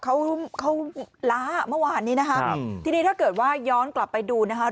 เขาเขาล้าเมื่อวานนี้นะคะครับทีนี้ถ้าเกิดว่าย้อนกลับไปดูนะคะ